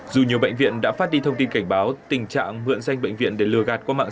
dù nhiều bệnh viện đã phát đi thông tin cảnh báo tình trạng mượn danh bệnh viện để lừa gạt qua mạng